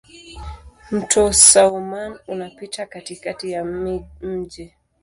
Mto Soummam unapita katikati ya mji.